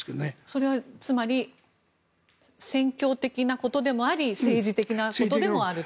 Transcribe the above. それはつまり戦況的なことでもあり政治的なことでもあるという。